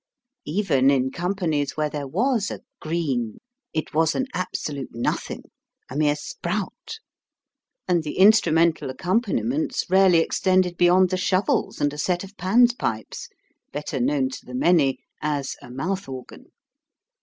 Even in companies where there was a "green" it was an absolute nothing a mere sprout and the instrumental accompaniments rarely extended beyond the shovels and a set of Pan's pipes, better known to the many, as a " mouth organ."